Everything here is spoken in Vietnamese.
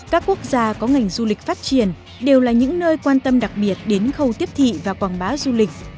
các quốc gia có ngành du lịch phát triển đều là những nơi quan tâm đặc biệt đến khâu tiếp thị và quảng bá du lịch